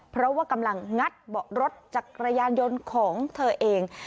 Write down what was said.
เพราะว่ากำลังงัดเบาะรถจักรยานยนต์ของเธอเอง